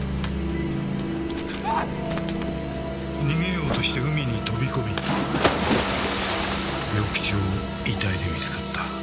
逃げようとして海に飛び込み翌朝遺体で見つかった。